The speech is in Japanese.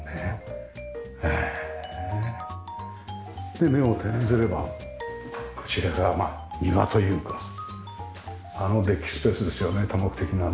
で目を転ずればこちらが庭というかあのデッキスペースですよね多目的なね。